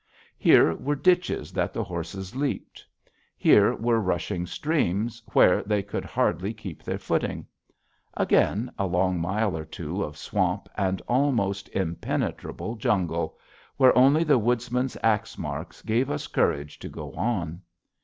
Here were ditches that the horses leaped; here were rushing streams where they could hardly keep their footing. Again, a long mile or two of swamp and almost impenetrable jungle, where only the Woodsman's axe marks gave us courage to go on.